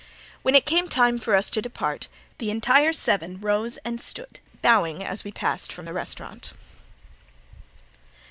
When it came time for us to depart the entire seven rose and stood, bowing as we passed from the restaurant.